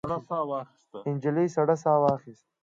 نجلۍ سړه ساه واخیسته.